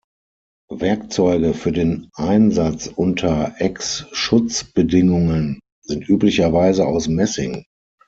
Werkzeuge für den Einsatz unter Ex-Schutz-Bedingungen sind üblicherweise aus Messing.